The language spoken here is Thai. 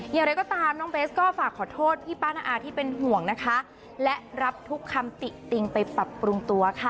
อย่างไรก็ตามน้องเบสก็ฝากขอโทษพี่ป้าน้าอาที่เป็นห่วงนะคะและรับทุกคำติติงไปปรับปรุงตัวค่ะ